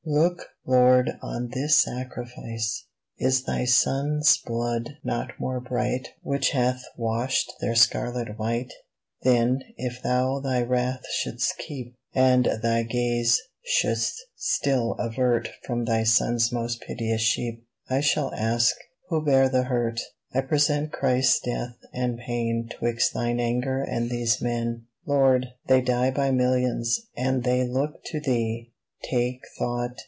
Look, Lord, on this Sacrifice ! Is Thy Son's blood not more bright Which hath washed their scarlet white ? Then, if Thou Thy wrath should 'st keep And Thy gaze should'st still avert From Thy Son's most piteous sheep, I shall ask : Who bare the hurt ? I present Christ's death and pain 'Twixt Thine anger and these men. 48 FLOWER OF YOUTH Lord, they die by millions And they look to Thee take thought